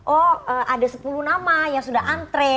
oh ada sepuluh nama yang sudah antre